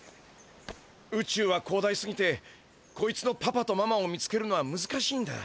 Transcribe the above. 宇宙は広大すぎてこいつのパパとママを見つけるのはむずかしいんだ。